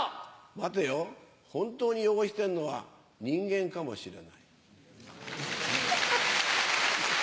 待てよ、本当に汚してるのは、人間かもしれない。